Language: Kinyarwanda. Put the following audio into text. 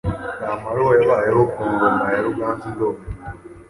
Kamara uwo yabayeho ku Ngoma ya Ruganzu Ndori,